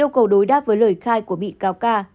yêu cầu đối đáp với lời khai của bị cáo ca